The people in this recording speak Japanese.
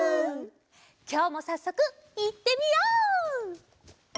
きょうもさっそくいってみよう！